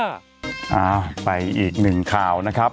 อ่าไปอีกหนึ่งข่าวนะครับ